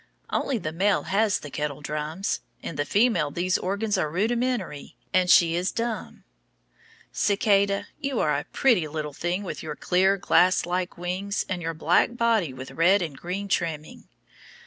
Only the male has the kettle drums. In the female these organs are rudimentary, and she is dumb. Cicada, you are a pretty little thing with your clear, glasslike wings and your black body with red and green trimming.